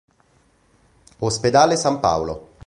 Ospedale San Paolo